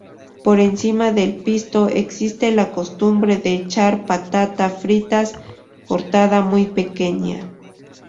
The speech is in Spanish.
Por encima del pisto existe la costumbre de echar patatas fritas cortada muy pequeña.